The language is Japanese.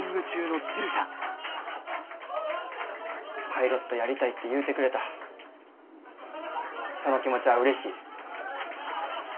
パイロットやりたいって言うてくれたその気持ちはうれしい。